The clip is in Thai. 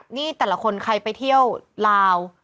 นี่แต่ละคนใครไปเที่ยวลาว